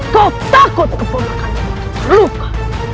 kau takut keponakanmu terluka